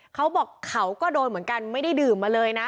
เขาบอกเขาก็โดนเหมือนกันไม่ได้ดื่มมาเลยนะ